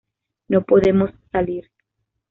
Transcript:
No podemos salir.